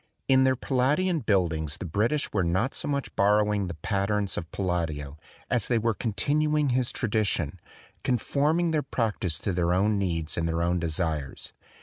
In their Palladian buildings the British were not so much borrow ing the patterns of Palladio as they were con tinuing his tradition, conforming their practise to their own needs and their own desires.